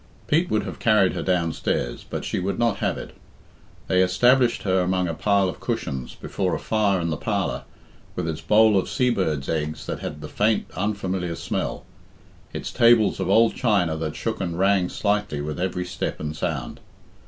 Pete would have carried her downstairs, but she would not have it. They established her among a pile of cushions before a fire in the parlour, with its bowl of sea birds' eggs that had the faint, unfamiliar smell its tables of old china that shook and rang slightly with every step and sound.